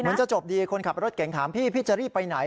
จะจบดีคนขับรถเก่งถามพี่พี่จะรีบไปไหน